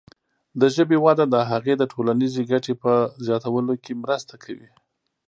د ژبې وده د هغې د ټولنیزې ګټې په زیاتولو کې مرسته کوي.